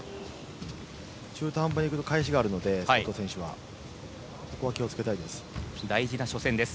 中途半端に行くと返しがあるのでそこは気をつけたいです。